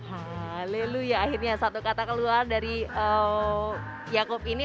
haleluya akhirnya satu kata keluar dari yaakub ini